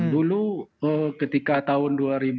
dulu ketika tahun dua ribu dua puluh satu